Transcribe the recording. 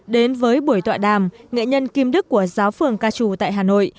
đến với buổi tọa đàm nghệ nhân kim đức của giáo phường ca trù tại hà nội